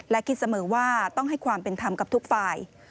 และคิดเสมอว่าต้องให้ความเป็นธรรมกับทุกฝ่าย